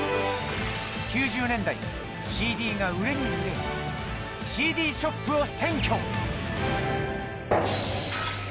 ９０年代ＣＤが売れに売れＣＤショップを占拠！